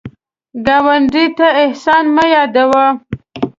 ګاونډي ته احسان مه یادوه